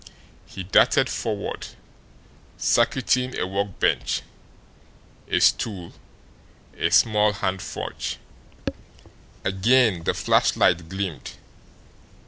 He darted forward, circuiting a workbench, a stool, a small hand forge. Again the flashlight gleamed.